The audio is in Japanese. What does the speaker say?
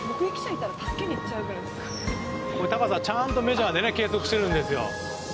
高さはちゃんとメジャーで計測しているんですよ。